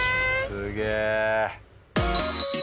すげえ。